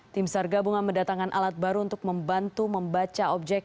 tim sar gabungan mendatangkan alat baru untuk membantu membaca objek